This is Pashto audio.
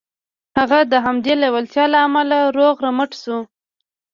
هغه د همدې لېوالتیا له امله روغ رمټ شو